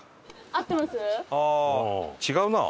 違うなあ。